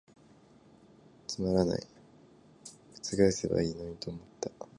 つまらない、癈せばいゝのにと思つた。